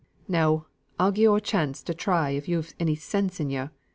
Now, I'll give yo' a chance and try if yo've any sense in yo.